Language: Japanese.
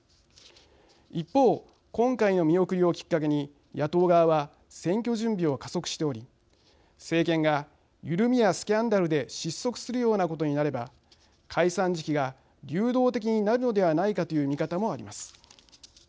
一方、今回の見送りをきっかけに野党側は選挙準備を加速しており政権が、緩みやスキャンダルで失速するようなことになれば解散時期が流動的になるのではないかという見方もあります。